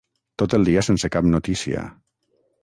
Tot el dia sense cap notícia.